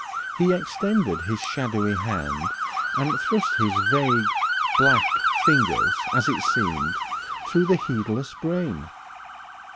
He extended his shadowy hand and thrust his vague black fingers, as it seemed, through the heedless brain.